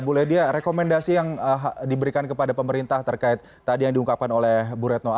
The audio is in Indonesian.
bu ledia rekomendasi yang diberikan kepada pemerintah terkait tadi yang diungkapkan oleh bu retno